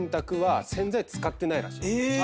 え⁉